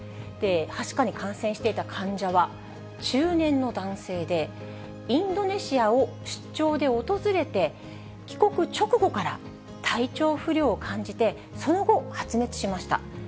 はしかに感染していた患者は中年の男性で、インドネシアを出張で訪れて、帰国直後から、体調不良を感じて、その後、発熱しました。